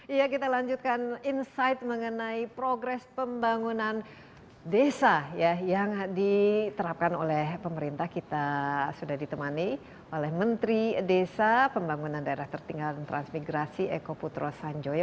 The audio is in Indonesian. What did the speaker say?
iya kita lanjutkan insight mengenai progres pembangunan desa yang diterapkan oleh pemerintah kita sudah ditemani oleh menteri desa pembangunan daerah tertinggal dan transmigrasi eko putro sanjoyo